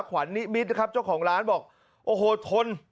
ขวัญนิมิตรนะครับเจ้าของร้านบอกโอ้โหทน